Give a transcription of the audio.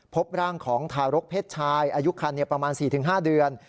พบร่างของทารกเพศชายอายุคันประมาณ๔๕เดือน